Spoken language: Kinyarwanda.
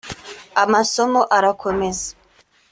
amasomo arakomeza